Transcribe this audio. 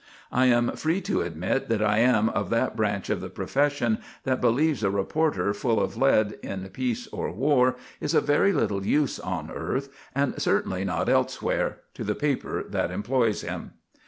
I am free to admit that I am of that branch of the profession that believes a reporter full of lead in peace or war is of very little use on earth, and certainly not elsewhere, to the paper that employs him.